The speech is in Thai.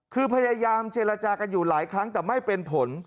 คือพยายามเจรจากันอยู่หลายครั้งแต่ไม่เป็นผล